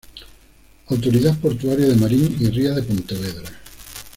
Autoridad Portuaria de Marín y Ría de Pontevedra.